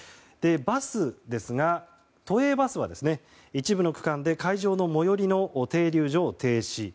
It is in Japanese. バスですが都営バスは一部の区間で会場の最寄りの停留所を停止。